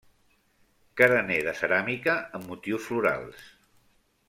Carener de ceràmica amb motius florals.